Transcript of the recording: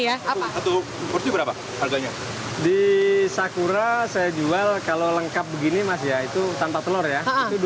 ya apa itu berapa harganya di sakura saya jual kalau lengkap begini masih yaitu tanpa telur ya